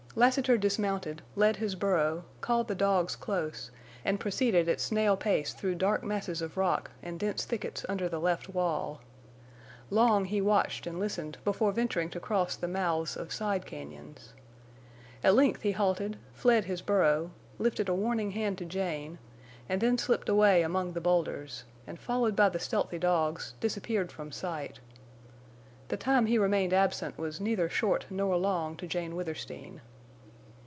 Lassiter dismounted, led his burro, called the dogs close, and proceeded at snail pace through dark masses of rock and dense thickets under the left wall. Long he watched and listened before venturing to cross the mouths of side cañons. At length he halted, fled his burro, lifted a warning hand to Jane, and then slipped away among the boulders, and, followed by the stealthy dogs, disappeared from sight. The time he remained absent was neither short nor long to Jane Withersteen.